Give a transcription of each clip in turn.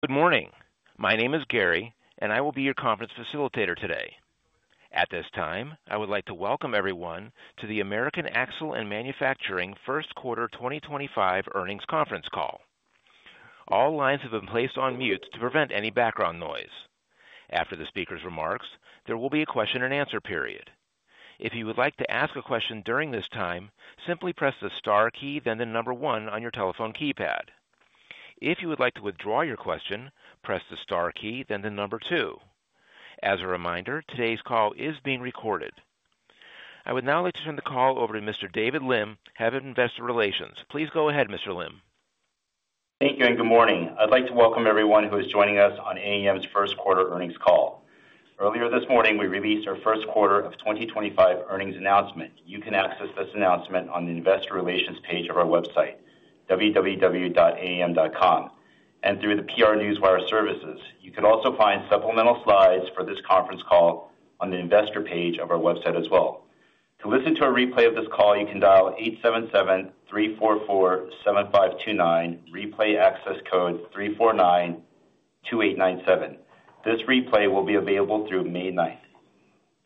Good morning. My name is Gary, and I will be your conference facilitator today. At this time, I would like to welcome everyone to the American Axle & Manufacturing First Quarter 2025 Earnings Conference Call. All lines have been placed on mute to prevent any background noise. After the speaker's remarks, there will be a question and answer period. If you would like to ask a question during this time, simply press the star key, then the number one on your telephone keypad. If you would like to withdraw your question, press the star key, then the number two. As a reminder, today's call is being recorded. I would now like to turn the call over to Mr. David Lim, Head of Investor Relations. Please go ahead, Mr. Lim. Thank you and good morning. I'd like to welcome everyone who is joining us on AAM's First Quarter Earnings Call. Earlier this morning, we released our First Quarter of 2025 Earnings Announcement. You can access this announcement on the Investor Relations page of our website, www.aam.com, and through the PR Newswire services. You can also find supplemental slides for this conference call on the investor page of our website as well. To listen to a replay of this call, you can dial 877-344-7529, replay access code 349-2897. This replay will be available through May 9th.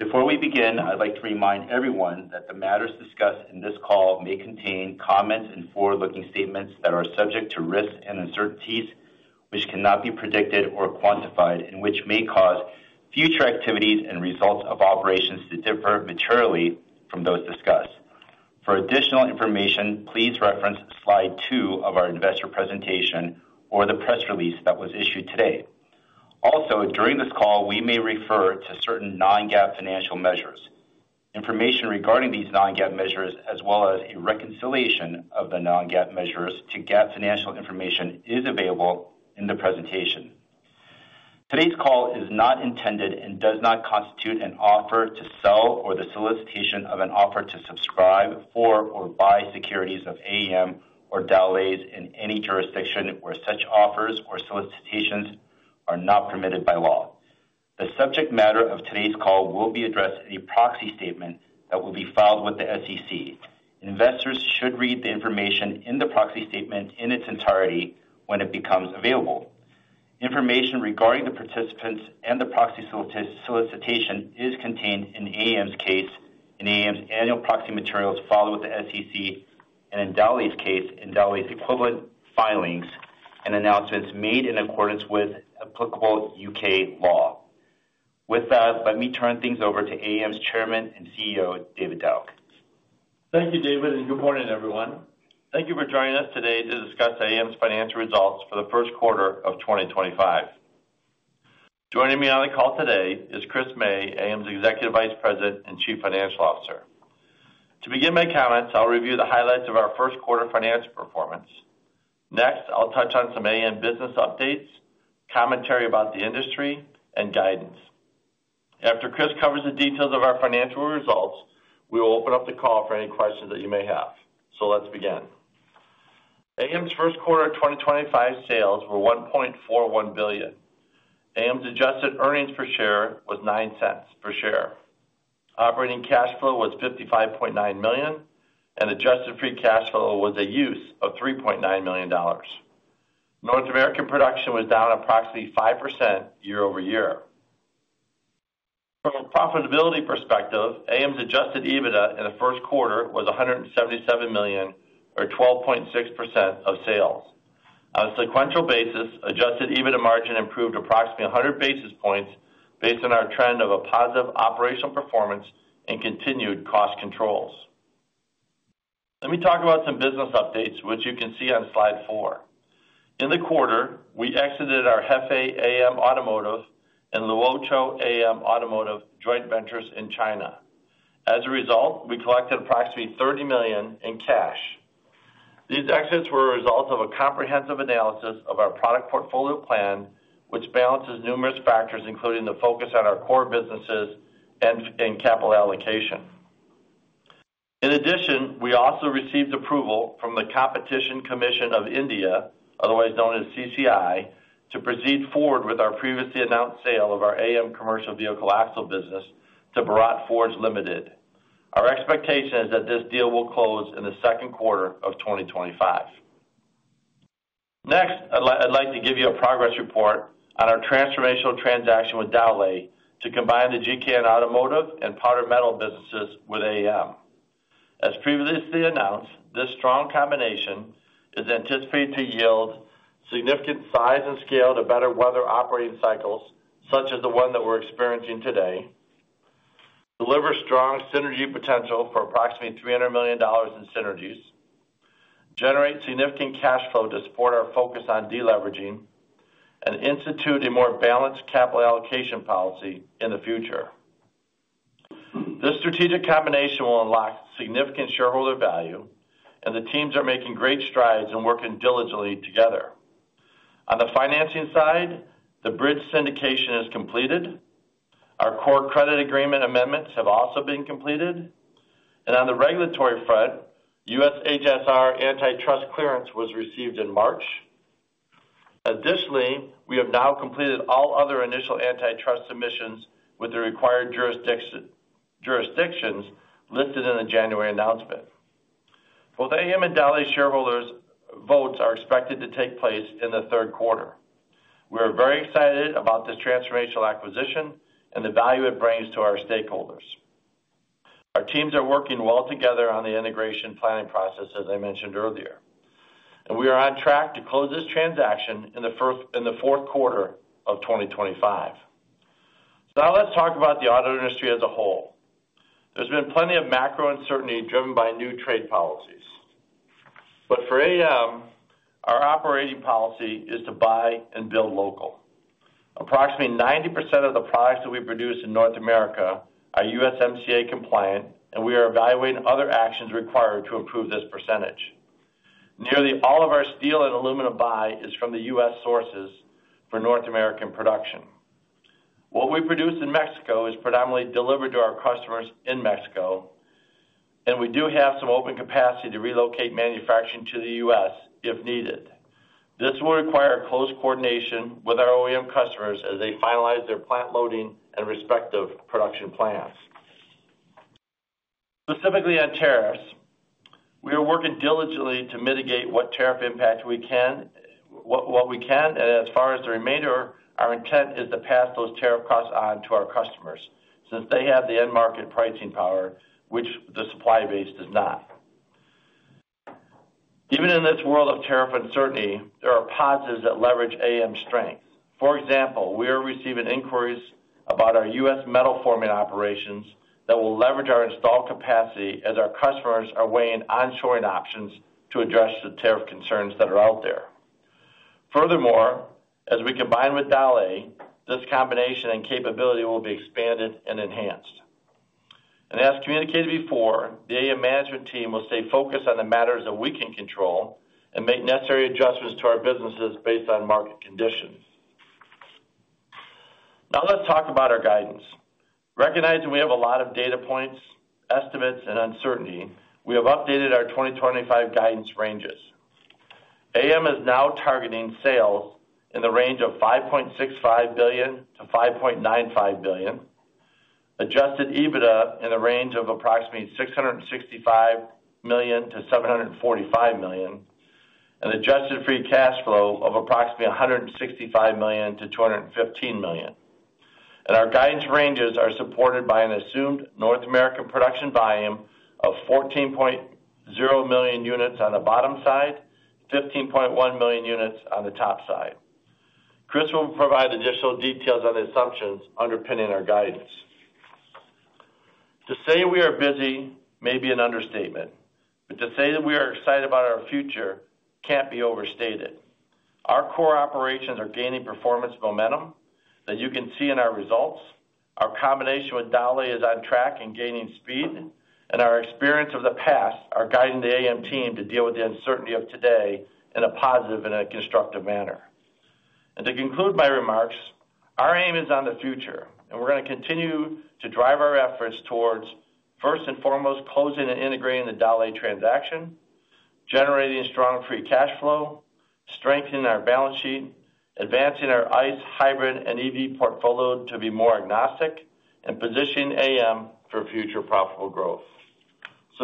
Before we begin, I'd like to remind everyone that the matters discussed in this call may contain comments and forward-looking statements that are subject to risks and uncertainties, which cannot be predicted or quantified, and which may cause future activities and results of operations to differ materially from those discussed. For additional information, please reference slide two of our investor presentation or the press release that was issued today. Also, during this call, we may refer to certain non-GAAP financial measures. Information regarding these non-GAAP measures, as well as a reconciliation of the non-GAAP measures to GAAP financial information, is available in the presentation. Today's call is not intended and does not constitute an offer to sell or the solicitation of an offer to subscribe for or buy securities of AAM or Dowlais in any jurisdiction where such offers or solicitations are not permitted by law. The subject matter of today's call will be addressed in a proxy statement that will be filed with the SEC. Investors should read the information in the proxy statement in its entirety when it becomes available. Information regarding the participants and the proxy solicitation is contained in AAM's case, in AAM's annual proxy materials filed with the SEC, and in Dowlais's case, in Dowlais's equivalent filings and announcements made in accordance with applicable U.K. law. With that, let me turn things over to AAM's Chairman and CEO, David Dowlais. Thank you, David, and good morning, everyone. Thank you for joining us today to discuss AAM's financial results for the first quarter of 2025. Joining me on the call today is Chris May, AAM's Executive Vice President and Chief Financial Officer. To begin my comments, I'll review the highlights of our first quarter financial performance. Next, I'll touch on some AAM business updates, commentary about the industry, and guidance. After Chris covers the details of our financial results, we will open up the call for any questions that you may have. Let's begin. AAM's first quarter 2025 sales were $1.41 billion. AAM's adjusted earnings per share was $0.09 per share. Operating cash flow was $55.9 million, and adjusted free cash flow was a use of $3.9 million. North American production was down approximately 5% year over year. From a profitability perspective, AAM's adjusted EBITDA in the first quarter was $177 million, or 12.6% of sales. On a sequential basis, adjusted EBITDA margin improved approximately 100 basis points based on our trend of a positive operational performance and continued cost controls. Let me talk about some business updates, which you can see on slide four. In the quarter, we exited our Hefei AAM Automotive and Luohé AAM Automotive joint ventures in China. As a result, we collected approximately $30 million in cash. These exits were a result of a comprehensive analysis of our product portfolio plan, which balances numerous factors, including the focus on our core businesses and capital allocation. In addition, we also received approval from the Competition Commission of India, otherwise known as CCI, to proceed forward with our previously announced sale of our AAM commercial vehicle axle business to Bharat Forge Limited. Our expectation is that this deal will close in the second quarter of 2025. Next, I'd like to give you a progress report on our transformational transaction with Dowlais to combine the GKN Automotive and Powder Metal businesses with AAM. As previously announced, this strong combination is anticipated to yield significant size and scale to better weather operating cycles, such as the one that we're experiencing today, deliver strong synergy potential for approximately $300 million in synergies, generate significant cash flow to support our focus on deleveraging, and institute a more balanced capital allocation policy in the future. This strategic combination will unlock significant shareholder value, and the teams are making great strides and working diligently together. On the financing side, the bridge syndication is completed. Our core credit agreement amendments have also been completed. On the regulatory front, U.S. HSR antitrust clearance was received in March. Additionally, we have now completed all other initial antitrust submissions with the required jurisdictions listed in the January announcement. Both AAM and Dowlais shareholders' votes are expected to take place in the third quarter. We are very excited about this transformational acquisition and the value it brings to our stakeholders. Our teams are working well together on the integration planning process, as I mentioned earlier. We are on track to close this transaction in the fourth quarter of 2025. Now let's talk about the auto industry as a whole. There's been plenty of macro uncertainty driven by new trade policies. For AAM, our operating policy is to buy and build local. Approximately 90% of the products that we produce in North America are USMCA compliant, and we are evaluating other actions required to improve this percentage. Nearly all of our steel and aluminum buy is from U.S. sources for North American production. What we produce in Mexico is predominantly delivered to our customers in Mexico, and we do have some open capacity to relocate manufacturing to the U.S. if needed. This will require close coordination with our OEM customers as they finalize their plant loading and respective production plants. Specifically on tariffs, we are working diligently to mitigate what tariff impact we can, and as far as the remainder, our intent is to pass those tariff costs on to our customers since they have the end market pricing power, which the supply base does not. Even in this world of tariff uncertainty, there are positives that leverage AAM's strength. For example, we are receiving inquiries about our U.S. metal forming operations that will leverage our install capacity as our customers are weighing onshoring options to address the tariff concerns that are out there. Furthermore, as we combine with Dowlais, this combination and capability will be expanded and enhanced. As communicated before, the AAM management team will stay focused on the matters that we can control and make necessary adjustments to our businesses based on market conditions. Now let's talk about our guidance. Recognizing we have a lot of data points, estimates, and uncertainty, we have updated our 2025 guidance ranges. AAM is now targeting sales in the range of $5.65 billion-$5.95 billion, adjusted EBITDA in the range of approximately $665 million-$745 million, and adjusted free cash flow of approximately $165 million-$215 million. Our guidance ranges are supported by an assumed North American production volume of 14.0 million units on the bottom side, 15.1 million units on the top side. Chris will provide additional details on assumptions underpinning our guidance. To say we are busy may be an understatement, but to say that we are excited about our future cannot be overstated. Our core operations are gaining performance momentum that you can see in our results. Our combination with Dowlais is on track and gaining speed, and our experience of the past is guiding the AAM team to deal with the uncertainty of today in a positive and a constructive manner. To conclude my remarks, our aim is on the future, and we are going to continue to drive our efforts towards first and foremost closing and integrating the Dowlais transaction, generating strong free cash flow, strengthening our balance sheet, advancing our ICE hybrid and EV portfolio to be more agnostic, and positioning AAM for future profitable growth.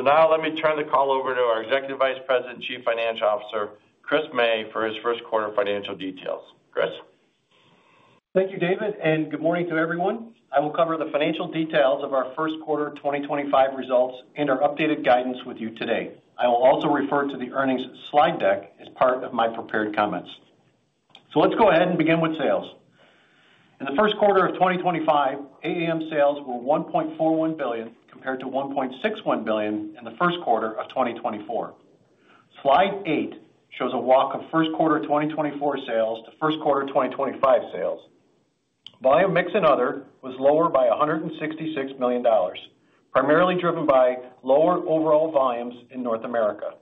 Now let me turn the call over to our Executive Vice President and Chief Financial Officer, Chris May, for his first quarter financial details. Chris. Thank you, David, and good morning to everyone. I will cover the financial details of our First Quarter 2025 Results and our updated guidance with you today. I will also refer to the earnings slide deck as part of my prepared comments. Let's go ahead and begin with sales. In the first quarter of 2025, AAM sales were $1.41 billion compared to $1.61 billion in the first quarter of 2024. Slide eight shows a walk of first quarter 2024 sales to first quarter 2025 sales. Volume mix and other was lower by $166 million, primarily driven by lower overall volumes in North America.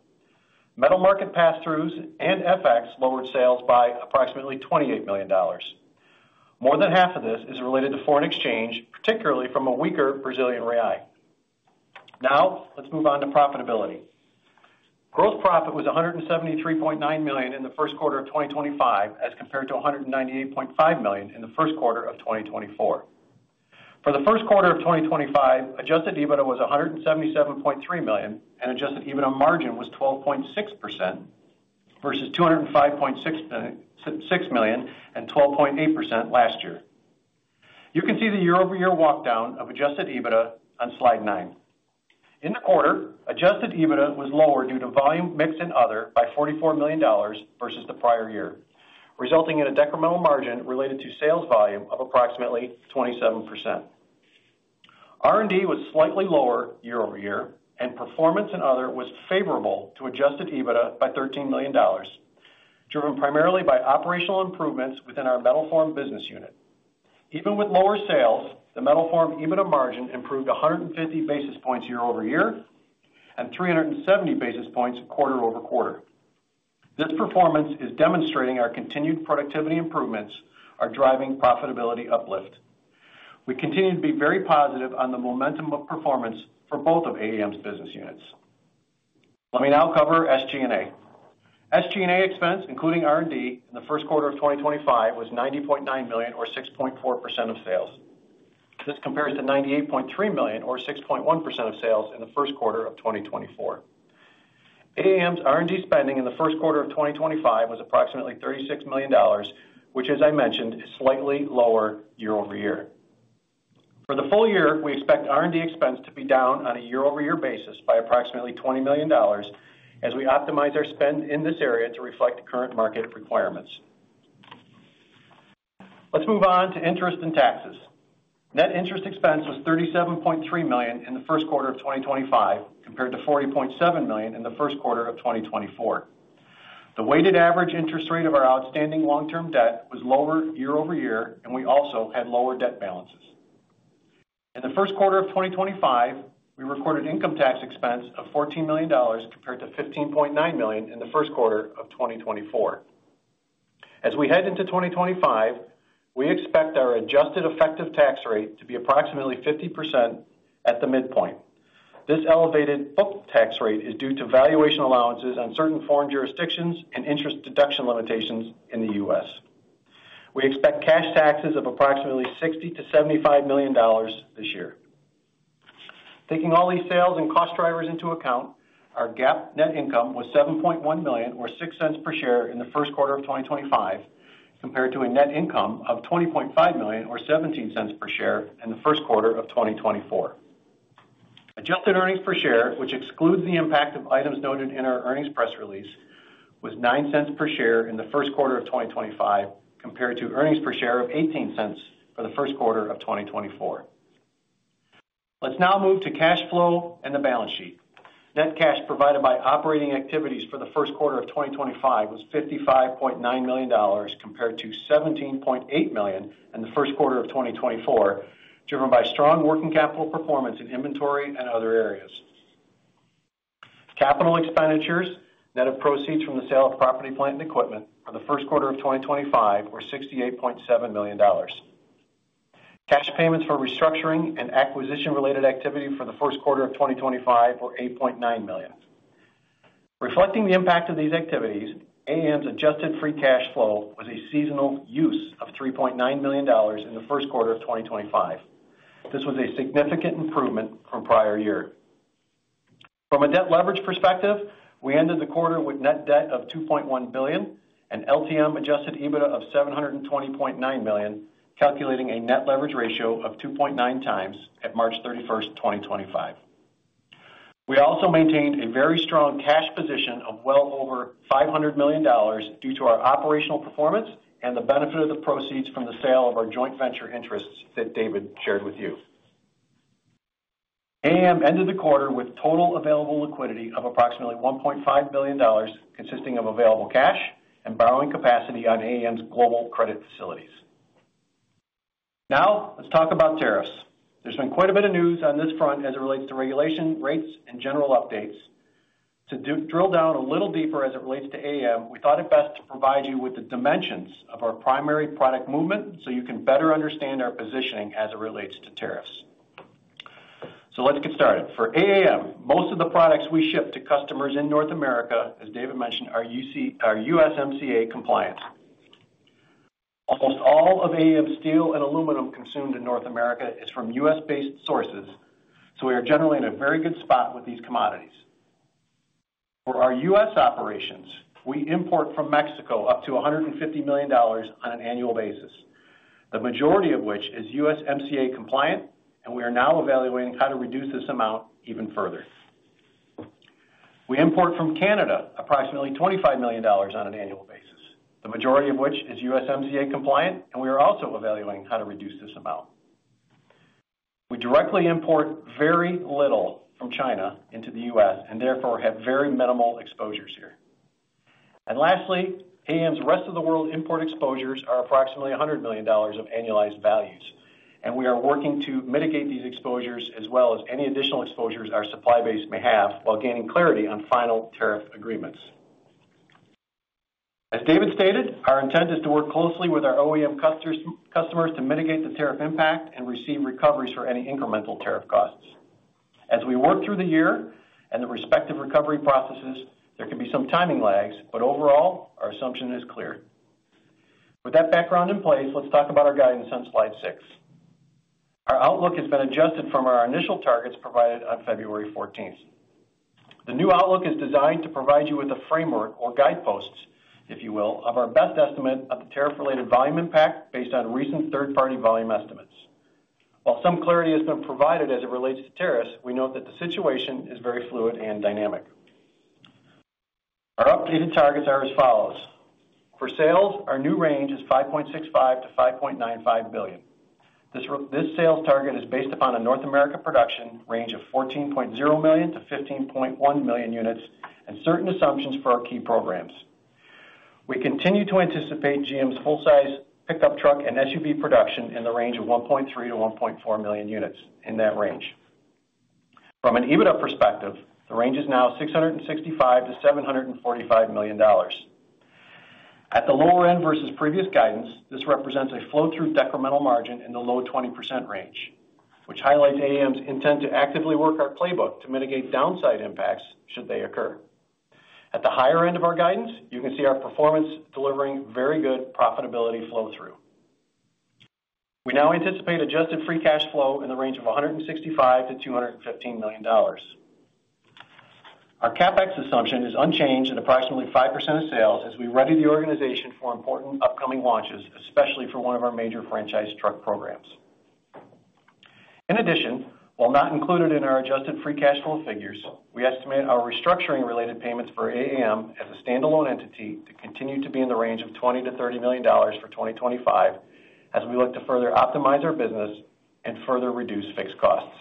Metal market pass-throughs and FX lowered sales by approximately $28 million. More than half of this is related to foreign exchange, particularly from a weaker Brazilian real. Now let's move on to profitability. Gross profit was $173.9 million in the first quarter of 2025 as compared to $198.5 million in the first quarter of 2024. For the first quarter of 2025, adjusted EBITDA was $177.3 million, and adjusted EBITDA margin was 12.6% versus $205.6 million and 12.8% last year. You can see the year-over-year walkdown of adjusted EBITDA on slide nine. In the quarter, adjusted EBITDA was lower due to volume mix and other by $44 million versus the prior year, resulting in a decremental margin related to sales volume of approximately 27%. R&D was slightly lower year-over-year, and performance and other was favorable to adjusted EBITDA by $13 million, driven primarily by operational improvements within our metal forming business unit. Even with lower sales, the metal forming EBITDA margin improved 150 basis points year-over-year and 370 basis points quarter-over-quarter. This performance is demonstrating our continued productivity improvements are driving profitability uplift. We continue to be very positive on the momentum of performance for both of AAM's business units. Let me now cover SG&A. SG&A expense, including R&D, in the first quarter of 2025 was $90.9 million, or 6.4% of sales. This compares to $98.3 million, or 6.1% of sales in the first quarter of 2024. AAM's R&D spending in the first quarter of 2025 was approximately $36 million, which, as I mentioned, is slightly lower year-over-year. For the full year, we expect R&D expense to be down on a year-over-year basis by approximately $20 million as we optimize our spend in this area to reflect current market requirements. Let's move on to interest and taxes. Net interest expense was $37.3 million in the first quarter of 2025 compared to $40.7 million in the first quarter of 2024. The weighted average interest rate of our outstanding long-term debt was lower year-over-year, and we also had lower debt balances. In the first quarter of 2025, we recorded income tax expense of $14 million compared to $15.9 million in the first quarter of 2024. As we head into 2025, we expect our adjusted effective tax rate to be approximately 50% at the midpoint. This elevated book tax rate is due to valuation allowances on certain foreign jurisdictions and interest deduction limitations in the U.S. We expect cash taxes of approximately $60-$75 million this year. Taking all these sales and cost drivers into account, our GAAP net income was $7.1 million, or $0.06 per share in the first quarter of 2025, compared to a net income of $20.5 million, or $0.17 per share in the first quarter of 2024. Adjusted earnings per share, which excludes the impact of items noted in our earnings press release, was $0.09 per share in the first quarter of 2025 compared to earnings per share of $0.18 for the first quarter of 2024. Let's now move to cash flow and the balance sheet. Net cash provided by operating activities for the first quarter of 2025 was $55.9 million compared to $17.8 million in the first quarter of 2024, driven by strong working capital performance in inventory and other areas. Capital expenditures, net of proceeds from the sale of property, plant, and equipment for the first quarter of 2025, were $68.7 million. Cash payments for restructuring and acquisition-related activity for the first quarter of 2025 were $8.9 million. Reflecting the impact of these activities, AAM's adjusted free cash flow was a seasonal use of $3.9 million in the first quarter of 2025. This was a significant improvement from prior year. From a debt leverage perspective, we ended the quarter with net debt of $2.1 billion and LTM adjusted EBITDA of $720.9 million, calculating a net leverage ratio of 2.9 times at March 31, 2025. We also maintained a very strong cash position of well over $500 million due to our operational performance and the benefit of the proceeds from the sale of our joint venture interests that David shared with you. AAM ended the quarter with total available liquidity of approximately $1.5 billion, consisting of available cash and borrowing capacity on AAM's global credit facilities. Now let's talk about tariffs. There's been quite a bit of news on this front as it relates to regulation rates and general updates. To drill down a little deeper as it relates to AAM, we thought it best to provide you with the dimensions of our primary product movement so you can better understand our positioning as it relates to tariffs. Let's get started. For AAM, most of the products we ship to customers in North America, as David mentioned, are USMCA compliant. Almost all of AAM's steel and aluminum consumed in North America is from U.S.-based sources, so we are generally in a very good spot with these commodities. For our U.S. operations, we import from Mexico up to $150 million on an annual basis, the majority of which is USMCA compliant, and we are now evaluating how to reduce this amount even further. We import from Canada approximately $25 million on an annual basis, the majority of which is USMCA compliant, and we are also evaluating how to reduce this amount. We directly import very little from China into the U.S. and therefore have very minimal exposures here. Lastly, AAM's rest of the world import exposures are approximately $100 million of annualized values, and we are working to mitigate these exposures as well as any additional exposures our supply base may have while gaining clarity on final tariff agreements. As David stated, our intent is to work closely with our OEM customers to mitigate the tariff impact and receive recoveries for any incremental tariff costs. As we work through the year and the respective recovery processes, there can be some timing lags, but overall, our assumption is clear. With that background in place, let's talk about our guidance on slide six. Our outlook has been adjusted from our initial targets provided on February 14th. The new outlook is designed to provide you with a framework or guideposts, if you will, of our best estimate of the tariff-related volume impact based on recent third-party volume estimates. While some clarity has been provided as it relates to tariffs, we note that the situation is very fluid and dynamic. Our updated targets are as follows. For sales, our new range is $5.65 billion-$5.95 billion. This sales target is based upon a North America production range of 14.0 million-15.1 million units and certain assumptions for our key programs. We continue to anticipate GM's full-size pickup truck and SUV production in the range of 1.3 million-1.4 million units in that range. From an EBITDA perspective, the range is now $665 million-$745 million. At the lower end versus previous guidance, this represents a flow-through decremental margin in the low 20% range, which highlights AAM's intent to actively work our playbook to mitigate downside impacts should they occur. At the higher end of our guidance, you can see our performance delivering very good profitability flow-through. We now anticipate adjusted free cash flow in the range of $165 million-$215 million. Our CapEx assumption is unchanged at approximately 5% of sales as we ready the organization for important upcoming launches, especially for one of our major franchise truck programs. In addition, while not included in our adjusted free cash flow figures, we estimate our restructuring-related payments for AAM as a standalone entity to continue to be in the range of $20 million-$30 million for 2025 as we look to further optimize our business and further reduce fixed costs.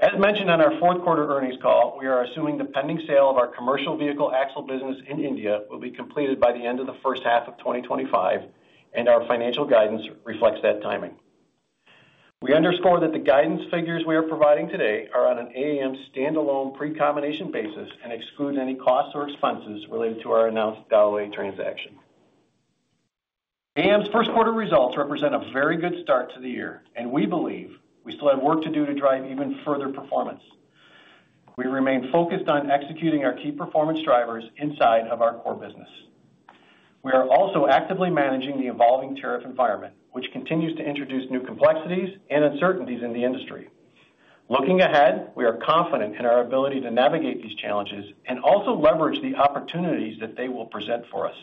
As mentioned on our fourth quarter earnings call, we are assuming the pending sale of our commercial vehicle axle business in India will be completed by the end of the first half of 2025, and our financial guidance reflects that timing. We underscore that the guidance figures we are providing today are on an AAM standalone pre-combination basis and exclude any costs or expenses related to our announced Dowlais transaction. AAM's first quarter results represent a very good start to the year, and we believe we still have work to do to drive even further performance. We remain focused on executing our key performance drivers inside of our core business. We are also actively managing the evolving tariff environment, which continues to introduce new complexities and uncertainties in the industry. Looking ahead, we are confident in our ability to navigate these challenges and also leverage the opportunities that they will present for us.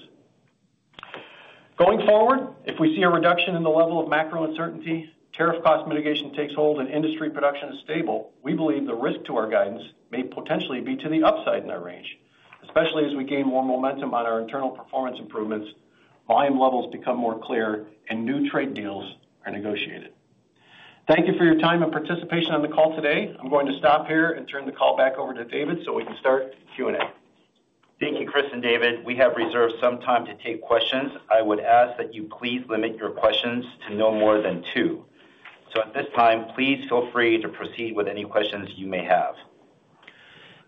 Going forward, if we see a reduction in the level of macro uncertainty, tariff cost mitigation takes hold, and industry production is stable, we believe the risk to our guidance may potentially be to the upside in our range, especially as we gain more momentum on our internal performance improvements, volume levels become more clear, and new trade deals are negotiated. Thank you for your time and participation on the call today. I'm going to stop here and turn the call back over to David so we can start Q&A. Thank you, Chris and David. We have reserved some time to take questions. I would ask that you please limit your questions to no more than two. At this time, please feel free to proceed with any questions you may have.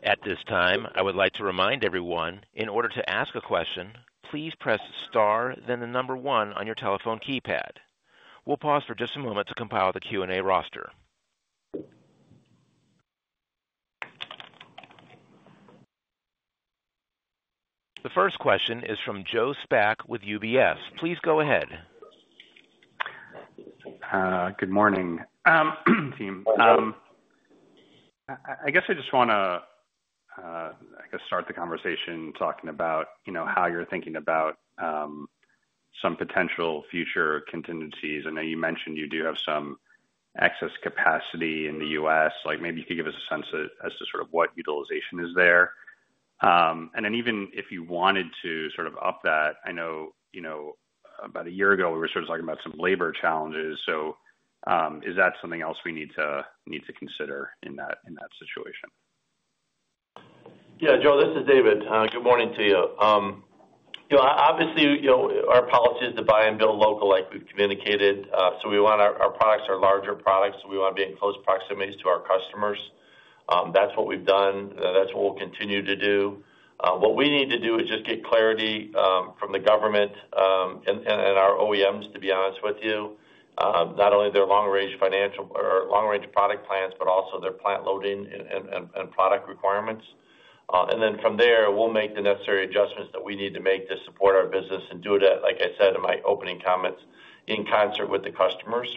At this time, I would like to remind everyone, in order to ask a question, please press star, then the number one on your telephone keypad. We'll pause for just a moment to compile the Q&A roster. The first question is from Joe Spak with UBS. Please go ahead. Good morning, team. I guess I just want to start the conversation talking about how you're thinking about some potential future contingencies. I know you mentioned you do have some excess capacity in the U.S. Maybe you could give us a sense as to sort of what utilization is there. Even if you wanted to sort of up that, I know about a year ago we were sort of talking about some labor challenges. Is that something else we need to consider in that situation? Yeah, Joe, this is David. Good morning to you. Obviously, our policy is to buy and build local, like we've communicated. We want our products, our larger products, so we want to be in close proximity to our customers. That's what we've done. That's what we'll continue to do. What we need to do is just get clarity from the government and our OEMs, to be honest with you, not only their long-range financial or long-range product plans, but also their plant loading and product requirements. From there, we'll make the necessary adjustments that we need to make to support our business and do it at, like I said in my opening comments, in concert with the customers.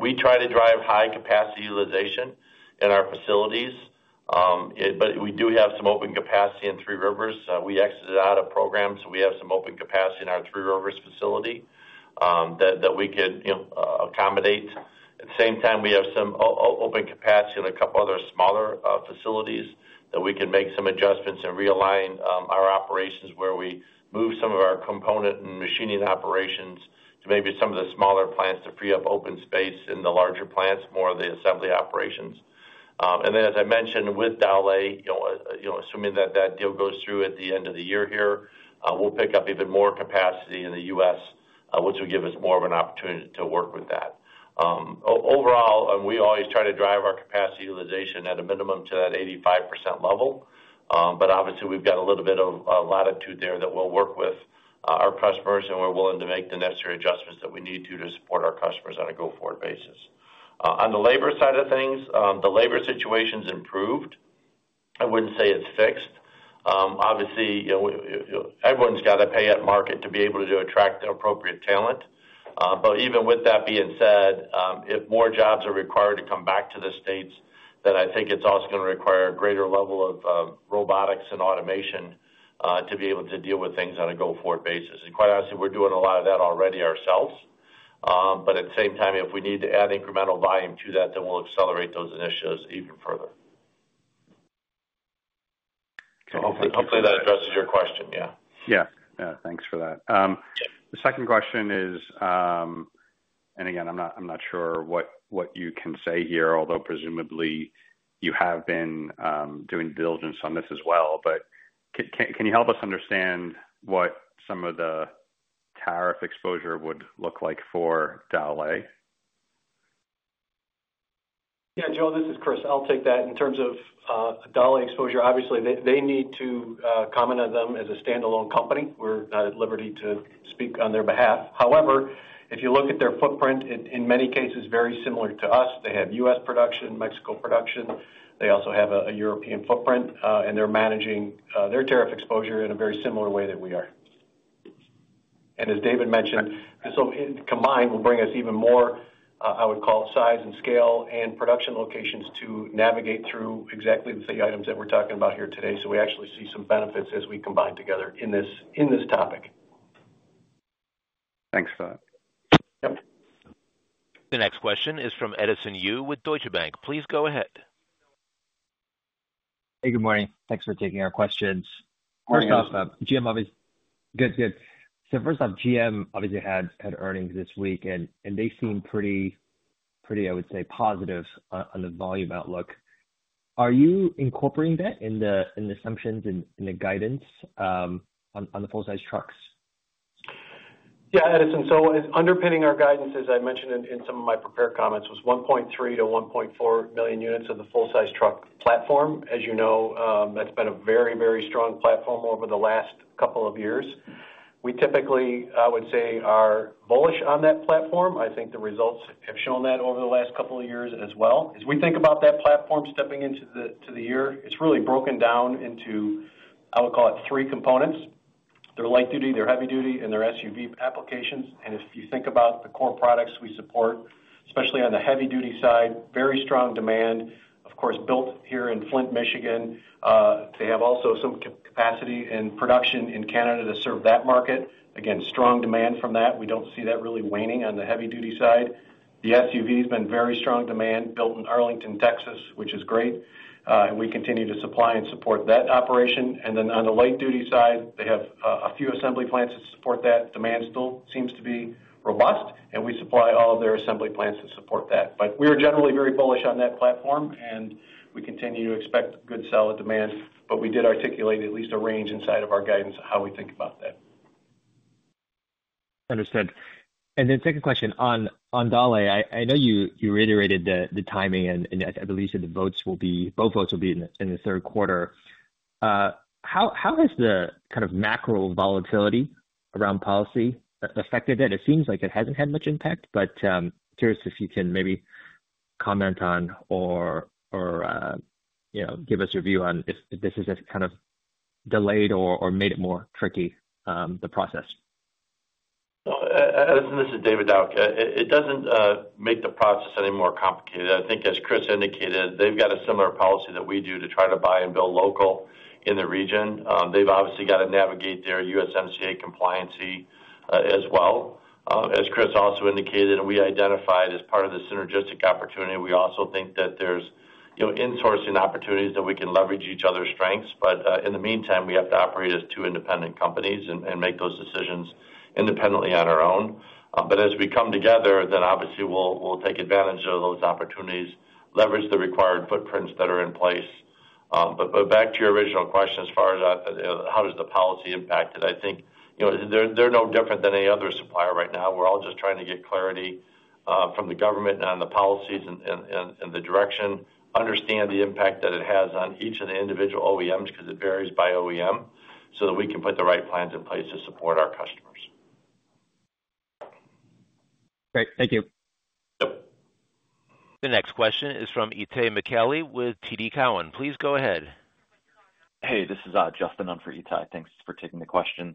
We try to drive high capacity utilization in our facilities, but we do have some open capacity in Three Rivers. We exited out of programs, so we have some open capacity in our Three Rivers facility that we could accommodate. At the same time, we have some open capacity in a couple of other smaller facilities that we can make some adjustments and realign our operations where we move some of our component and machining operations to maybe some of the smaller plants to free up open space in the larger plants, more of the assembly operations. As I mentioned with Dowlais, assuming that that deal goes through at the end of the year here, we'll pick up even more capacity in the US, which will give us more of an opportunity to work with that. Overall, we always try to drive our capacity utilization at a minimum to that 85% level, but obviously, we've got a little bit of latitude there that we'll work with our customers, and we're willing to make the necessary adjustments that we need to to support our customers on a go-forward basis. On the labor side of things, the labor situation's improved. I wouldn't say it's fixed. Obviously, everyone's got to pay at market to be able to attract the appropriate talent. Even with that being said, if more jobs are required to come back to the states, then I think it's also going to require a greater level of robotics and automation to be able to deal with things on a go-forward basis. Quite honestly, we're doing a lot of that already ourselves. At the same time, if we need to add incremental volume to that, then we'll accelerate those initiatives even further. Hopefully that addresses your question, yeah. Yeah. Yeah. Thanks for that. The second question is, and again, I'm not sure what you can say here, although presumably you have been doing diligence on this as well, but can you help us understand what some of the tariff exposure would look like for Dowlais? Yeah, Joe, this is Chris. I'll take that. In terms of Dowlais exposure, obviously, they need to comment on them as a standalone company. We're not at liberty to speak on their behalf. However, if you look at their footprint, in many cases, very similar to us. They have U.S. production, Mexico production. They also have a European footprint, and they're managing their tariff exposure in a very similar way that we are. As David mentioned, combined will bring us even more, I would call it, size and scale and production locations to navigate through exactly the three items that we're talking about here today. We actually see some benefits as we combine together in this topic. Thanks for that. Yep. The next question is from Edison Yu with Deutsche Bank. Please go ahead. Hey, good morning. Thanks for taking our questions. First off, GM obviously had earnings this week, and they seem pretty, I would say, positive on the volume outlook. Are you incorporating that in the assumptions and the guidance on the full-size trucks? Yeah, Edison. Underpinning our guidance, as I mentioned in some of my prepared comments, was 1.3-1.4 million units of the full-size truck platform. As you know, that's been a very, very strong platform over the last couple of years. We typically, I would say, are bullish on that platform. I think the results have shown that over the last couple of years as well. As we think about that platform stepping into the year, it's really broken down into, I would call it, three components. They're light duty, they're heavy duty, and they're SUV applications. If you think about the core products we support, especially on the heavy-duty side, very strong demand, of course, built here in Flint, Michigan. They have also some capacity and production in Canada to serve that market. Again, strong demand from that. We do not see that really waning on the heavy-duty side. The SUV has been very strong demand, built in Arlington, Texas, which is great. We continue to supply and support that operation. On the light-duty side, they have a few assembly plants to support that. Demand still seems to be robust, and we supply all of their assembly plants to support that. We are generally very bullish on that platform, and we continue to expect good solid demand. We did articulate at least a range inside of our guidance of how we think about that. Understood. Second question on Dowlais, I know you reiterated the timing, and I believe you said the votes will be, both votes will be in the third quarter. How has the kind of macro volatility around policy affected it? It seems like it hasn't had much impact, but curious if you can maybe comment on or give us your view on if this has kind of delayed or made it more tricky, the process. Edison, this is David Dowlais. It does not make the process any more complicated. I think, as Chris indicated, they have got a similar policy that we do to try to buy and build local in the region. They have obviously got to navigate their USMCA compliancy as well. As Chris also indicated, and we identified as part of the synergistic opportunity, we also think that there are insourcing opportunities that we can leverage each other's strengths. In the meantime, we have to operate as two independent companies and make those decisions independently on our own. As we come together, obviously we will take advantage of those opportunities, leverage the required footprints that are in place. Back to your original question as far as how does the policy impact it, I think they are no different than any other supplier right now. We're all just trying to get clarity from the government on the policies and the direction, understand the impact that it has on each of the individual OEMs because it varies by OEM, so that we can put the right plans in place to support our customers. Great. Thank you. Yep. The next question is from Itay Michaeli with TD Cowen. Please go ahead. Hey, this is Justin for Ita. Thanks for taking the question.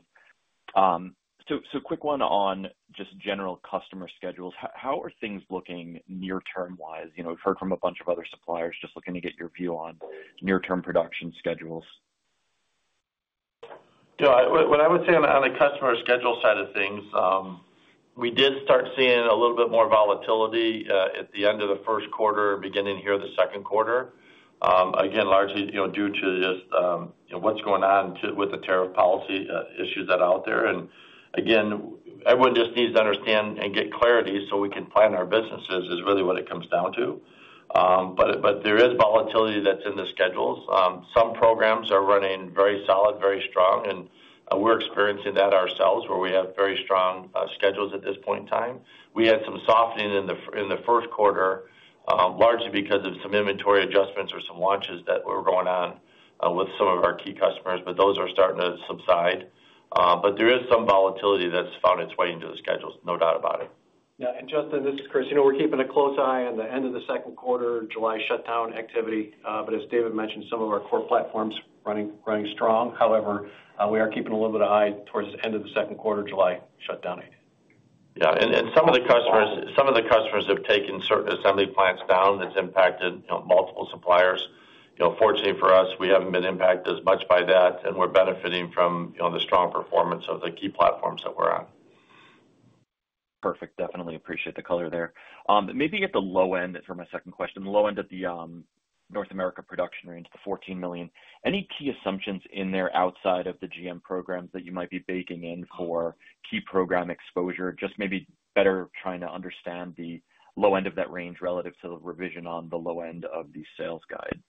Quick one on just general customer schedules. How are things looking near-term-wise? We've heard from a bunch of other suppliers just looking to get your view on near-term production schedules. Yeah. What I would say on the customer schedule side of things, we did start seeing a little bit more volatility at the end of the first quarter and beginning here of the second quarter. Again, largely due to just what's going on with the tariff policy issues that are out there. Everyone just needs to understand and get clarity so we can plan our businesses is really what it comes down to. There is volatility that's in the schedules. Some programs are running very solid, very strong, and we're experiencing that ourselves where we have very strong schedules at this point in time. We had some softening in the first quarter, largely because of some inventory adjustments or some launches that were going on with some of our key customers, but those are starting to subside. There is some volatility that's found its way into the schedules, no doubt about it. Yeah. Justin, this is Chris. We're keeping a close eye on the end of the second quarter July shutdown activity. As David mentioned, some of our core platforms running strong. However, we are keeping a little bit of eye towards the end of the second quarter July shutdown. Yeah. Some of the customers have taken certain assembly plants down. It has impacted multiple suppliers. Fortunately for us, we have not been impacted as much by that, and we are benefiting from the strong performance of the key platforms that we are on. Perfect. Definitely appreciate the color there. Maybe at the low end for my second question, the low end of the North America production range, the 14 million, any key assumptions in there outside of the GM programs that you might be baking in for key program exposure? Just maybe better trying to understand the low end of that range relative to the revision on the low end of the sales guide.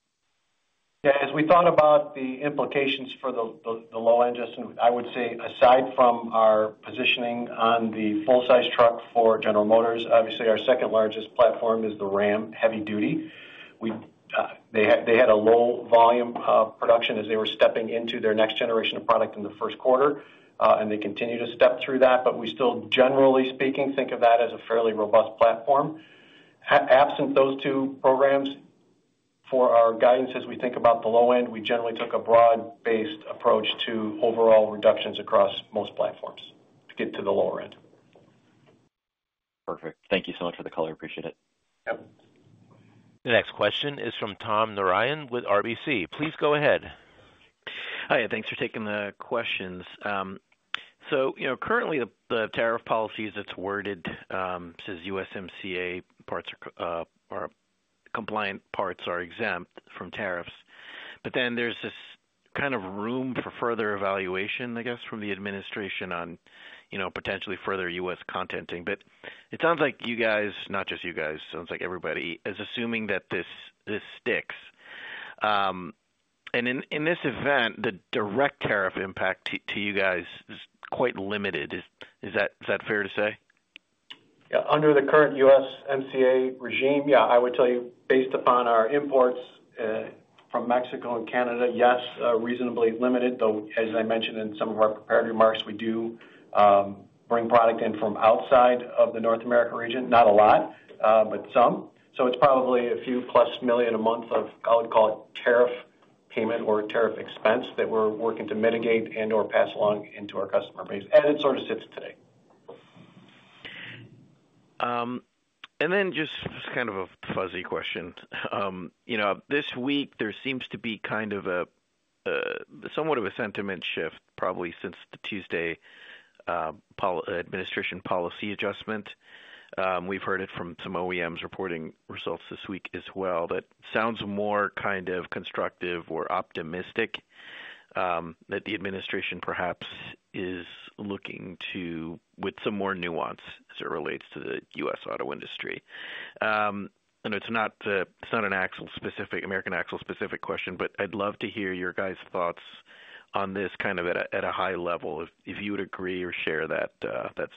Yeah. As we thought about the implications for the low end, Justin, I would say aside from our positioning on the full-size truck for General Motors, obviously our second largest platform is the Ram heavy-duty. They had a low volume of production as they were stepping into their next generation of product in the first quarter, and they continue to step through that. We still, generally speaking, think of that as a fairly robust platform. Absent those two programs for our guidance, as we think about the low end, we generally took a broad-based approach to overall reductions across most platforms to get to the lower end. Perfect. Thank you so much for the color. Appreciate it. Yep. The next question is from Tom Narayan with RBC. Please go ahead. Hi. Thanks for taking the questions. Currently, the tariff policy is it's worded says USMCA compliant parts are exempt from tariffs. There is this kind of room for further evaluation, I guess, from the administration on potentially further U.S. contenting. It sounds like you guys, not just you guys, sounds like everybody is assuming that this sticks. In this event, the direct tariff impact to you guys is quite limited. Is that fair to say? Yeah. Under the current USMCA regime, yeah, I would tell you based upon our imports from Mexico and Canada, yes, reasonably limited. Though, as I mentioned in some of our prepared remarks, we do bring product in from outside of the North America region. Not a lot, but some. It is probably a few plus million a month of, I would call it, tariff payment or tariff expense that we are working to mitigate and/or pass along into our customer base. It sort of sits today. Just kind of a fuzzy question. This week, there seems to be kind of a somewhat of a sentiment shift probably since the Tuesday administration policy adjustment. We've heard it from some OEMs reporting results this week as well. That sounds more kind of constructive or optimistic that the administration perhaps is looking to with some more nuance as it relates to the U.S. auto industry. It's not an American Axle-specific question, but I'd love to hear your guys' thoughts on this kind of at a high level if you would agree or share that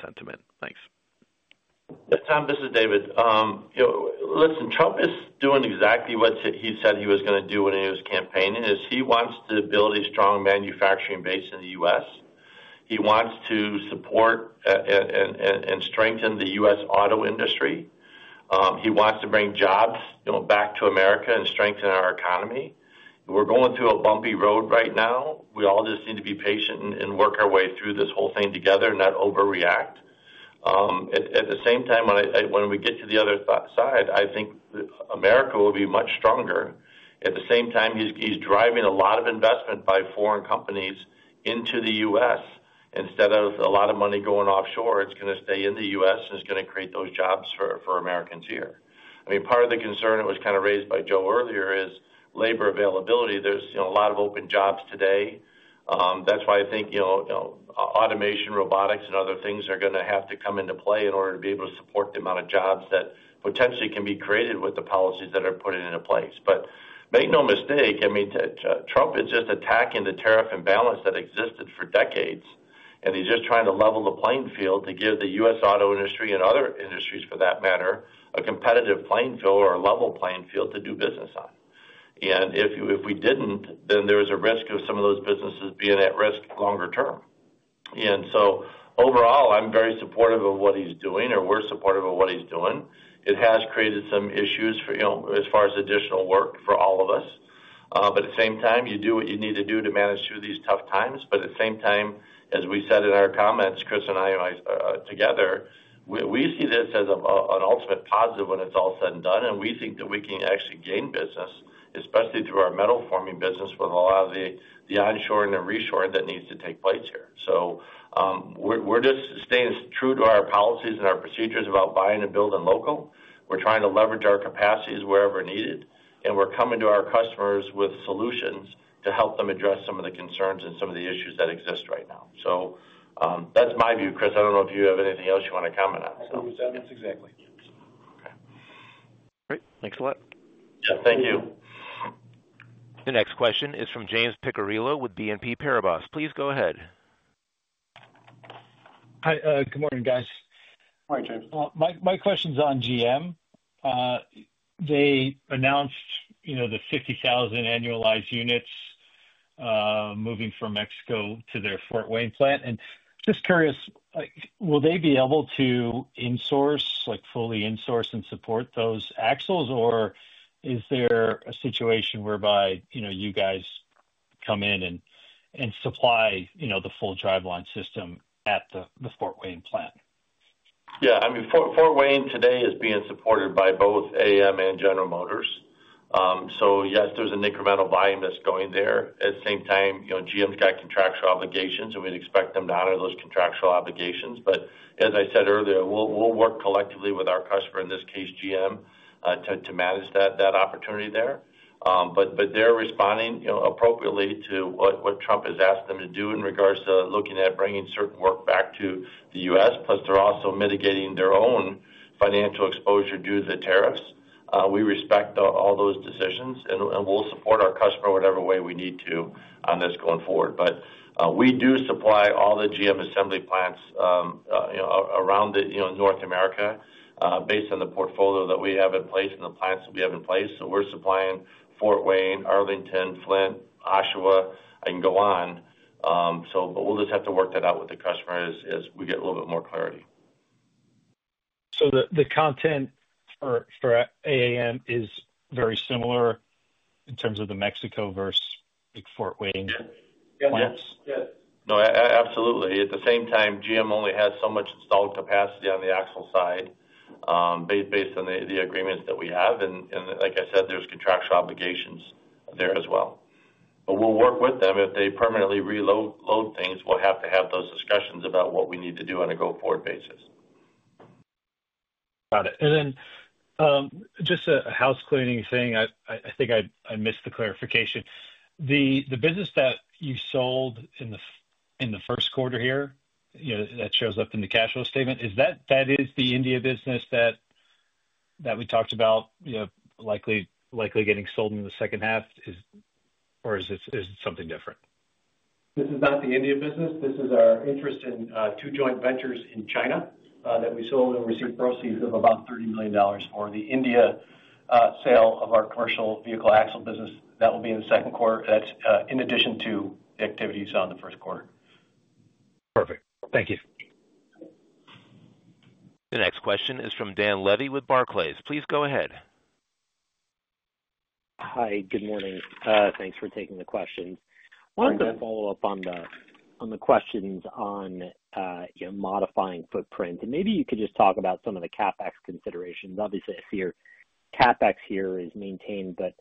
sentiment. Thanks. Yeah. Tom, this is David. Listen, Trump is doing exactly what he said he was going to do when he was campaigning, is he wants to build a strong manufacturing base in the U.S. He wants to support and strengthen the U.S. auto industry. He wants to bring jobs back to America and strengthen our economy. We're going through a bumpy road right now. We all just need to be patient and work our way through this whole thing together and not overreact. At the same time, when we get to the other side, I think America will be much stronger. At the same time, he's driving a lot of investment by foreign companies into the U.S. Instead of a lot of money going offshore, it's going to stay in the U.S. and it's going to create those jobs for Americans here. I mean, part of the concern that was kind of raised by Joe earlier is labor availability. There's a lot of open jobs today. That's why I think automation, robotics, and other things are going to have to come into play in order to be able to support the amount of jobs that potentially can be created with the policies that are put into place. Make no mistake, I mean, Trump is just attacking the tariff imbalance that existed for decades, and he's just trying to level the playing field to give the U.S. auto industry and other industries for that matter a competitive playing field or a level playing field to do business on. If we didn't, then there was a risk of some of those businesses being at risk longer term. Overall, I'm very supportive of what he's doing or we're supportive of what he's doing. It has created some issues as far as additional work for all of us. At the same time, you do what you need to do to manage through these tough times. As we said in our comments, Chris and I together, we see this as an ultimate positive when it's all said and done, and we think that we can actually gain business, especially through our metal forming business with a lot of the onshore and the reshore that needs to take place here. We're just staying true to our policies and our procedures about buying and building local. We're trying to leverage our capacities wherever needed, and we're coming to our customers with solutions to help them address some of the concerns and some of the issues that exist right now. That's my view, Chris. I don't know if you have anything else you want to comment on. That's exactly. Okay. Great. Thanks a lot. Yeah. Thank you. The next question is from James Picariello with BNP Paribas. Please go ahead. Hi. Good morning, guys. Hi, James. My question's on GM. They announced the 50,000 annualized units moving from Mexico to their Fort Wayne plant. Just curious, will they be able to insource, fully insource and support those axles, or is there a situation whereby you guys come in and supply the full driveline system at the Fort Wayne plant? Yeah. I mean, Fort Wayne today is being supported by both AAM and General Motors. Yes, there's an incremental volume that's going there. At the same time, GM's got contractual obligations, and we'd expect them to honor those contractual obligations. As I said earlier, we'll work collectively with our customer, in this case, GM, to manage that opportunity there. They're responding appropriately to what Trump has asked them to do in regards to looking at bringing certain work back to the U.S. Plus, they're also mitigating their own financial exposure due to the tariffs. We respect all those decisions, and we'll support our customer whatever way we need to on this going forward. We do supply all the GM assembly plants around North America based on the portfolio that we have in place and the plants that we have in place. We're supplying Fort Wayne, Arlington, Flint, Oshawa, and go on. We'll just have to work that out with the customer as we get a little bit more clarity. The content for AAM is very similar in terms of the Mexico versus Fort Wayne plants? Yeah. Yeah. No, absolutely. At the same time, GM only has so much installed capacity on the axle side based on the agreements that we have. Like I said, there's contractual obligations there as well. We'll work with them. If they permanently reload things, we'll have to have those discussions about what we need to do on a go-forward basis. Got it. Just a housecleaning thing, I think I missed the clarification. The business that you sold in the first quarter here that shows up in the cash flow statement, is that the India business that we talked about likely getting sold in the second half, or is it something different? This is not the India business. This is our interest in two joint ventures in China that we sold and received proceeds of about $30 million. For the India sale of our commercial vehicle axle business, that will be in the second quarter. That is in addition to the activities on the first quarter. Perfect. Thank you. The next question is from Dan Levy with Barclays. Please go ahead. Hi. Good morning. Thanks for taking the questions. I wanted to follow up on the questions on modifying footprint. Maybe you could just talk about some of the CapEx considerations. Obviously, I see your CapEx here is maintained, but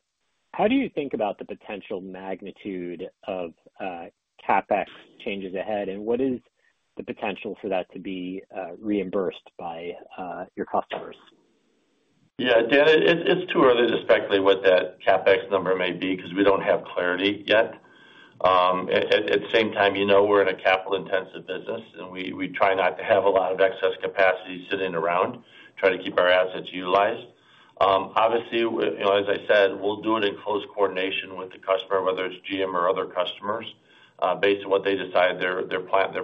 how do you think about the potential magnitude of CapEx changes ahead, and what is the potential for that to be reimbursed by your customers? Yeah. Dan, it's too early to speculate what that CapEx number may be because we don't have clarity yet. At the same time, we're in a capital-intensive business, and we try not to have a lot of excess capacity sitting around, try to keep our assets utilized. Obviously, as I said, we'll do it in close coordination with the customer, whether it's GM or other customers, based on what they decide their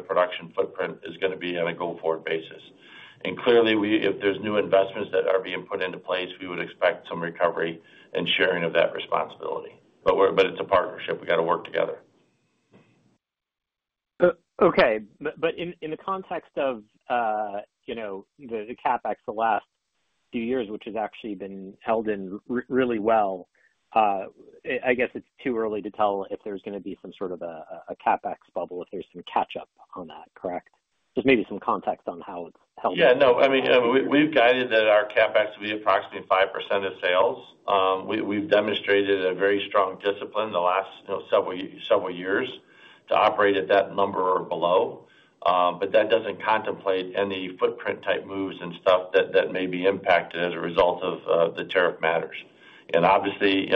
production footprint is going to be on a go-forward basis. Clearly, if there's new investments that are being put into place, we would expect some recovery and sharing of that responsibility. It's a partnership. We got to work together. Okay. In the context of the CapEx the last few years, which has actually been held in really well, I guess it's too early to tell if there's going to be some sort of a CapEx bubble, if there's some catch-up on that, correct? Just maybe some context on how it's held in. Yeah. No. I mean, we've guided that our CapEx will be approximately 5% of sales. We've demonstrated a very strong discipline the last several years to operate at that number or below. That doesn't contemplate any footprint-type moves and stuff that may be impacted as a result of the tariff matters. Obviously,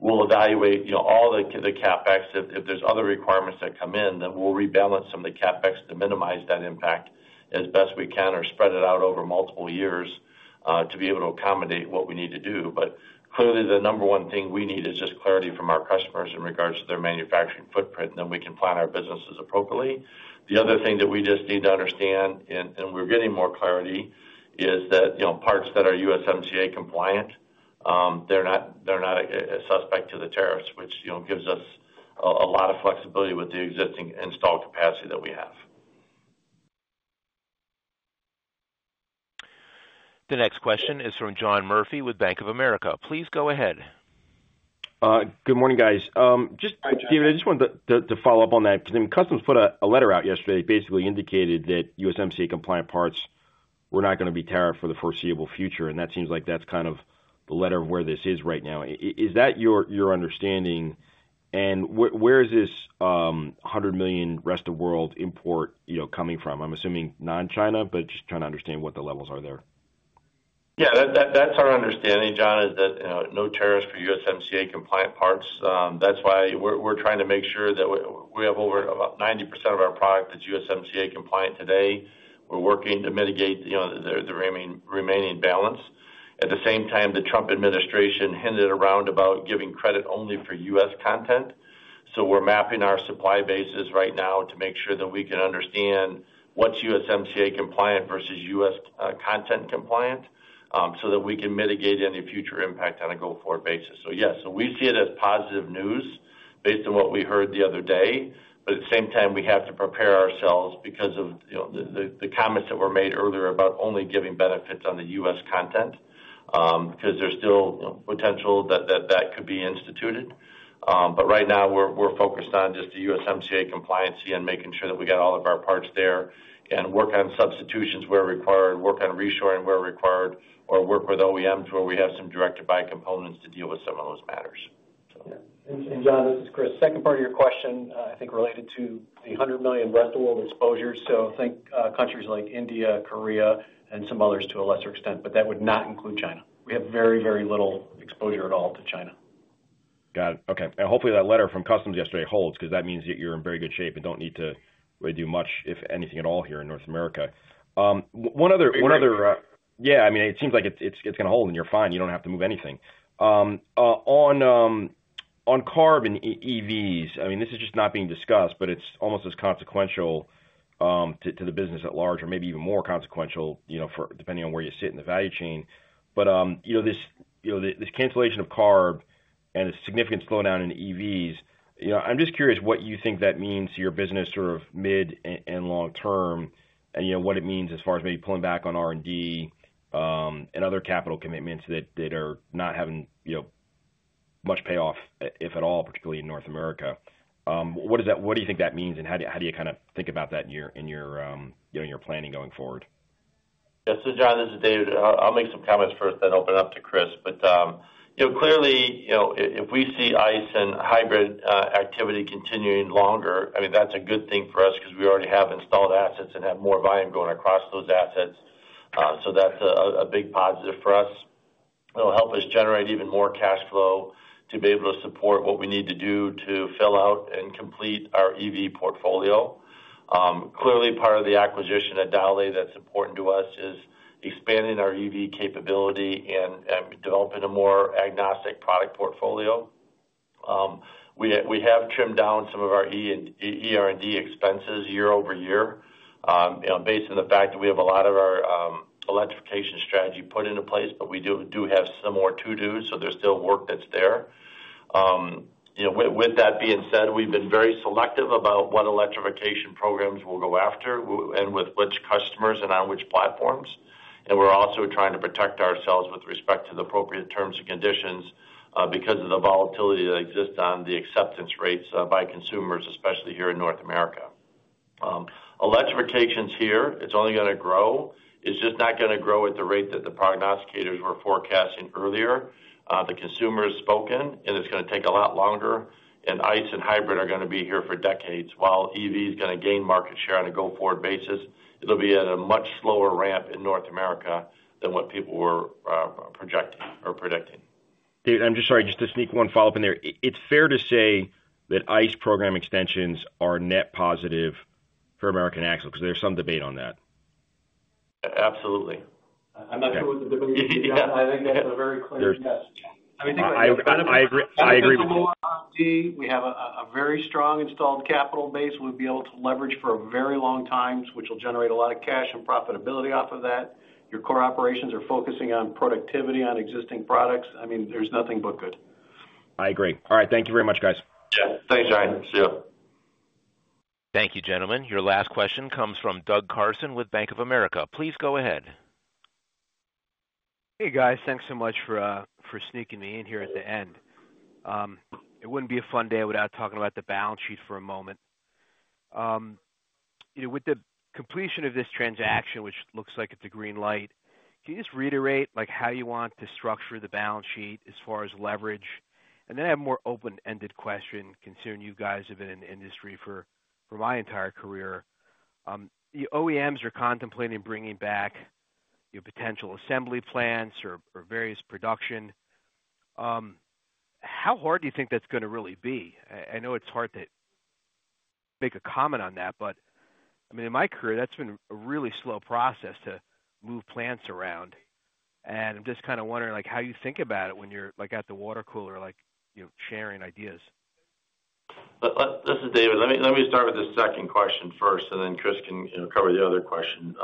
we'll evaluate all the CapEx. If there's other requirements that come in, then we'll rebalance some of the CapEx to minimize that impact as best we can or spread it out over multiple years to be able to accommodate what we need to do. Clearly, the number one thing we need is just clarity from our customers in regards to their manufacturing footprint, and then we can plan our businesses appropriately. The other thing that we just need to understand, and we're getting more clarity, is that parts that are USMCA compliant, they're not subject to the tariffs, which gives us a lot of flexibility with the existing installed capacity that we have. The next question is from John Murphy with Bank of America. Please go ahead. Good morning, guys. David, I just wanted to follow up on that because customs put a letter out yesterday basically indicating that USMCA compliant parts were not going to be tariffed for the foreseeable future. That seems like that's kind of the letter of where this is right now. Is that your understanding? Where is this $100 million rest of world import coming from? I'm assuming non-China, but just trying to understand what the levels are there. Yeah. That's our understanding, John, is that no tariffs for USMCA compliant parts. That's why we're trying to make sure that we have over about 90% of our product that's USMCA compliant today. We're working to mitigate the remaining balance. At the same time, the Trump administration hinted around about giving credit only for US content. We are mapping our supply bases right now to make sure that we can understand what's USMCA compliant versus US content compliant so that we can mitigate any future impact on a go-forward basis. Yes, we see it as positive news based on what we heard the other day. At the same time, we have to prepare ourselves because of the comments that were made earlier about only giving benefits on the US content because there's still potential that that could be instituted. Right now, we're focused on just the USMCA compliancy and making sure that we got all of our parts there and work on substitutions where required, work on reshoring where required, or work with OEMs where we have some direct-to-buy components to deal with some of those matters. Yeah. John, this is Chris. Second part of your question, I think related to the $100 million rest of world exposure. Think countries like India, Korea, and some others to a lesser extent, but that would not include China. We have very, very little exposure at all to China. Got it. Okay. Hopefully, that letter from customs yesterday holds because that means that you're in very good shape and do not need to really do much, if anything at all, here in North America. One other. It's all right. Yeah. I mean, it seems like it's going to hold, and you're fine. You don't have to move anything. On carb and EVs, I mean, this is just not being discussed, but it's almost as consequential to the business at large or maybe even more consequential depending on where you sit in the value chain. This cancellation of carb and a significant slowdown in EVs, I'm just curious what you think that means to your business sort of mid and long term and what it means as far as maybe pulling back on R&D and other capital commitments that are not having much payoff, if at all, particularly in North America. What do you think that means, and how do you kind of think about that in your planning going forward? Yeah. John, this is David. I'll make some comments first, then open it up to Chris. Clearly, if we see ICE and hybrid activity continuing longer, I mean, that's a good thing for us because we already have installed assets and have more volume going across those assets. That's a big positive for us. It'll help us generate even more cash flow to be able to support what we need to do to fill out and complete our EV portfolio. Clearly, part of the acquisition at Dowlais that's important to us is expanding our EV capability and developing a more agnostic product portfolio. We have trimmed down some of our ER&D expenses year over year based on the fact that we have a lot of our electrification strategy put into place, but we do have some more to do, so there's still work that's there. With that being said, we've been very selective about what electrification programs we'll go after and with which customers and on which platforms. We're also trying to protect ourselves with respect to the appropriate terms and conditions because of the volatility that exists on the acceptance rates by consumers, especially here in North America. Electrification's here. It's only going to grow. It's just not going to grow at the rate that the prognosticators were forecasting earlier. The consumer has spoken, and it's going to take a lot longer. ICE and hybrid are going to be here for decades. While EV is going to gain market share on a go-forward basis, it'll be at a much slower ramp in North America than what people were projecting or predicting. David, I'm just sorry. Just a sneak one follow-up in there. It's fair to say that ICE program extensions are net positive for American Axle because there's some debate on that? Absolutely. I'm not sure what the debate is, but I think that's a very clear yes. I mean, I think. I agree with you. R&D. We have a very strong installed capital base we'll be able to leverage for a very long time, which will generate a lot of cash and profitability off of that. Your core operations are focusing on productivity on existing products. I mean, there's nothing but good. I agree. All right. Thank you very much, guys. Yeah. Thanks, John. See you. Thank you, gentlemen. Your last question comes from Doug Karson with Bank of America. Please go ahead. Hey, guys. Thanks so much for sneaking me in here at the end. It would not be a fun day without talking about the balance sheet for a moment. With the completion of this transaction, which looks like it is a green light, can you just reiterate how you want to structure the balance sheet as far as leverage? I have a more open-ended question considering you guys have been in the industry for my entire career. The OEMs are contemplating bringing back your potential assembly plants or various production. How hard do you think that is going to really be? I know it is hard to make a comment on that, but I mean, in my career, that has been a really slow process to move plants around. I am just kind of wondering how you think about it when you are at the water cooler sharing ideas. This is David. Let me start with the second question first, and then Chris can cover the other question.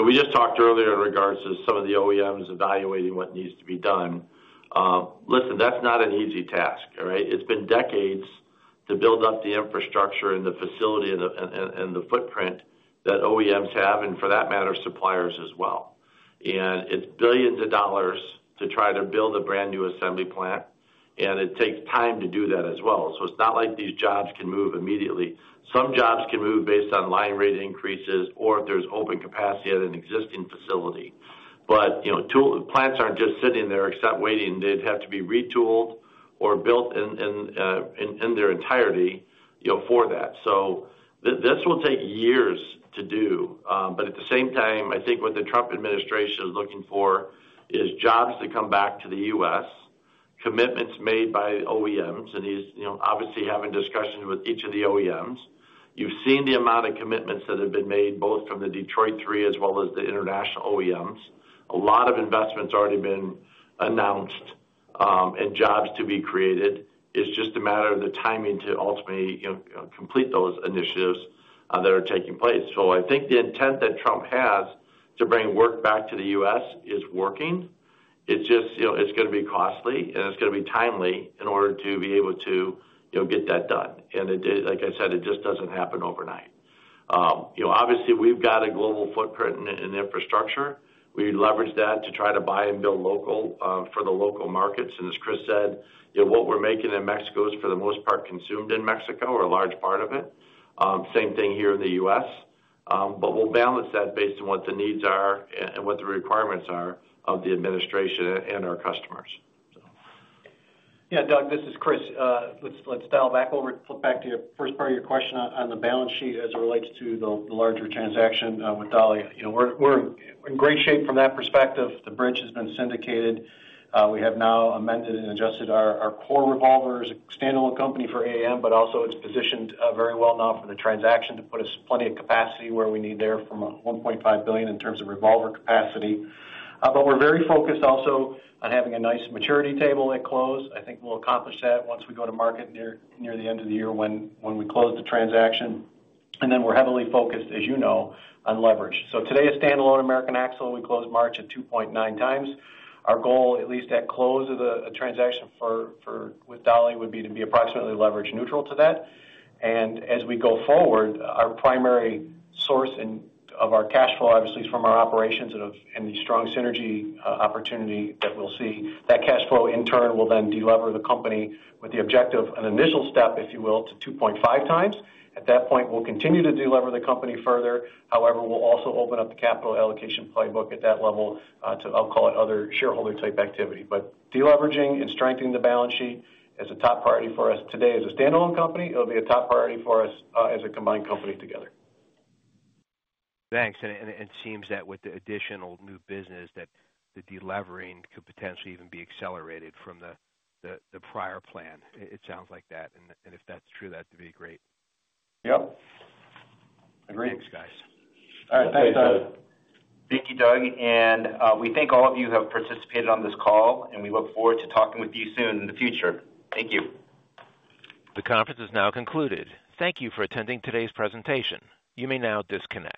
We just talked earlier in regards to some of the OEMs evaluating what needs to be done. Listen, that's not an easy task, all right? It's been decades to build up the infrastructure and the facility and the footprint that OEMs have, and for that matter, suppliers as well. It's billions of dollars to try to build a brand new assembly plant, and it takes time to do that as well. It's not like these jobs can move immediately. Some jobs can move based on line rate increases or if there's open capacity at an existing facility. Plants aren't just sitting there accept waiting. They'd have to be retooled or built in their entirety for that. This will take years to do. At the same time, I think what the Trump administration is looking for is jobs to come back to the U.S., commitments made by OEMs, and he's obviously having discussions with each of the OEMs. You've seen the amount of commitments that have been made both from the Detroit 3 as well as the international OEMs. A lot of investments have already been announced and jobs to be created. It is just a matter of the timing to ultimately complete those initiatives that are taking place. I think the intent that Trump has to bring work back to the U.S. is working. It is just going to be costly, and it is going to be timely in order to be able to get that done. Like I said, it just does not happen overnight. Obviously, we've got a global footprint and infrastructure. We leverage that to try to buy and build local for the local markets. As Chris said, what we're making in Mexico is for the most part consumed in Mexico or a large part of it. Same thing here in the U.S. We'll balance that based on what the needs are and what the requirements are of the administration and our customers. Yeah. Doug, this is Chris. Let's dial back over back to your first part of your question on the balance sheet as it relates to the larger transaction with Dowlais. We're in great shape from that perspective. The bridge has been syndicated. We have now amended and adjusted our core revolver as a standalone company for AAM, but also it's positioned very well now for the transaction to put us plenty of capacity where we need there from $1.5 billion in terms of revolver capacity. We're very focused also on having a nice maturity table at close. I think we'll accomplish that once we go to market near the end of the year when we close the transaction. We're heavily focused, as you know, on leverage. Today, a standalone American Axle & Manufacturing, we closed March at 2.9 times. Our goal, at least at close of the transaction with Dowlais, would be to be approximately leverage neutral to that. As we go forward, our primary source of our cash flow, obviously, is from our operations and the strong synergy opportunity that we'll see. That cash flow, in turn, will then delever the company with the objective, an initial step, if you will, to 2.5 times. At that point, we'll continue to delever the company further. However, we'll also open up the capital allocation playbook at that level to, I'll call it, other shareholder-type activity. Deleveraging and strengthening the balance sheet is a top priority for us. Today, as a standalone company, it'll be a top priority for us as a combined company together. Thanks. It seems that with the additional new business, the delevering could potentially even be accelerated from the prior plan. It sounds like that. If that's true, that'd be great. Yep. Agreed. Thanks, guys. All right. Thanks, Doug. Thank you, Doug. We thank all of you who have participated on this call, and we look forward to talking with you soon in the future. Thank you. The conference is now concluded. Thank you for attending today's presentation. You may now disconnect.